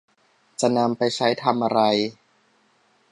จะนำไปใช้ทำอะไร